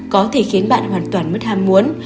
có thể khiến bạn hoàn toàn mất ham muốn